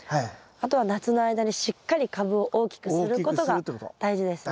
あとは夏の間にしっかり株を大きくすることが大事ですね。